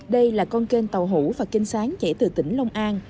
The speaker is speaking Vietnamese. đây là con kênh tàu hủ và kênh sáng chảy từ tỉnh long an